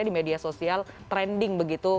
di media sosial trending begitu